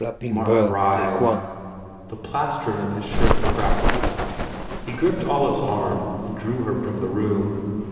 Mark writhed. The plastron of his shirt crackled. He gripped Olive s arm and drew her from the room.